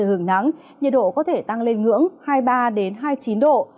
trời hưởng nắng nhiệt độ có thể tăng lên ngưỡng hai mươi ba hai mươi chín độ